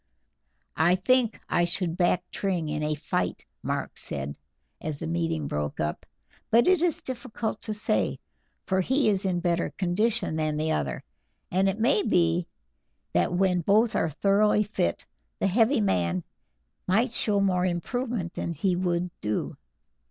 "I think I should back Tring in a fight," Mark said, as the meeting broke up, "but it is difficult to say, for he is in better condition than the other, and it may be that when both are thoroughly fit the heavy man might show more improvement than he would do."